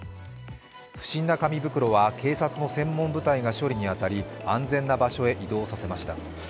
不審な紙袋は警察の専門部隊が処理に当たり安全な場所へ移動させました。